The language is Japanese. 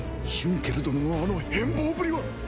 ヒュンケル殿のあの変貌ぶりは。